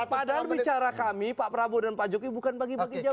padahal bicara kami pak prabowo dan pak jokowi bukan bagi bagi jabatan